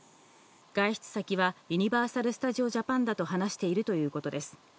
外出先はユニバーサル・スタジオ・ジャパンだと話しているということです。